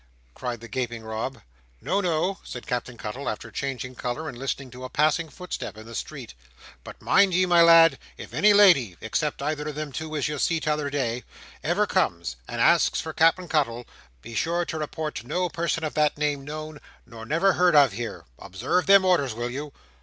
cried the gaping Rob. "No, no!" said Captain Cuttle, after changing colour, and listening to a passing footstep in the street. "But mind ye, my lad; if any lady, except either of them two as you see t'other day, ever comes and asks for Cap'en Cuttle, be sure to report no person of that name known, nor never heard of here; observe them orders, will you?"